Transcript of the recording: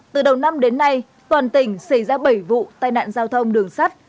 từ đầu năm đến nay toàn tỉnh xảy ra bảy vụ tai nạn giao thông đường sắt